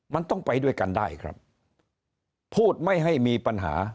มันต้องไปด้วยกันได้ครับพูดไม่ให้มีปัญหา